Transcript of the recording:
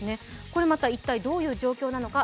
これまた一体、どういう状況なのか